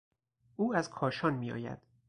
او از کاشان میآید.